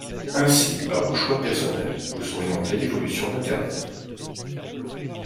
Ainsi, par vos choix personnels, vous orientez l'évolution d'internet